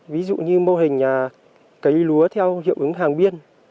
ví dụ như mô hình cấy lúa theo hiệu ứng hàng biên